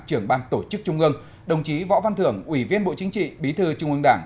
trưởng ban tổ chức trung ương đồng chí võ văn thưởng ủy viên bộ chính trị bí thư trung ương đảng